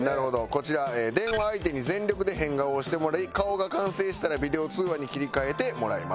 こちら電話相手に全力で変顔をしてもらい顔が完成したらビデオ通話に切り替えてもらいますと。